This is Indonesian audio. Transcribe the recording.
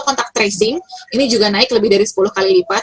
kontak tracing ini juga naik lebih dari sepuluh kali lipat